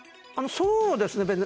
そうですね。